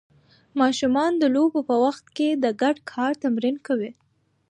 ماشومان د لوبو په وخت کې د ګډ کار تمرین کوي.